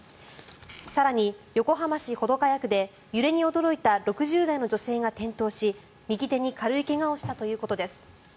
更に横浜市保土ケ谷区で揺れに驚いた６０代の女性が転倒し右手に軽い怪我をしたということです。